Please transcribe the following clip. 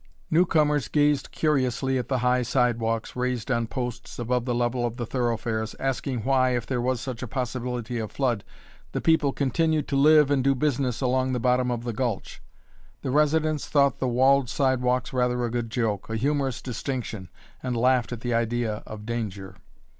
Newcomers gazed curiously at the high sidewalks, raised on posts above the level of the thoroughfares, asking why, if there was such possibility of flood, the people continued to live and do business along the bottom of the gulch. The residents thought the walled sidewalks rather a good joke, a humorous distinction, and laughed at the idea of danger.